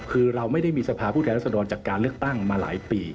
คือเราไม่ได้มีสภาพผู้แทนรัศดรจากการเลือกตั้งมาหลายปี